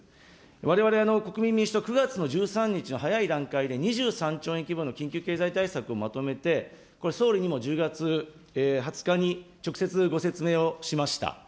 われわれ国民民主党、９月の１３日の早い段階で、２３兆円規模の緊急経済対策をまとめて、これ、総理にも１０月２０日に直接、ご説明をしました。